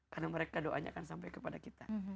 karena mereka doanya akan sampai kepada kita